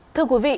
thưa quý vị